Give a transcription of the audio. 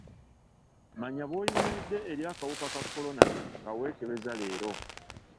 Manya bw'oyimiridde eri akawuka ka kolona nga weekebeza leero.